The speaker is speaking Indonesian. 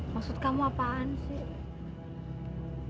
maksud kamu apaan sih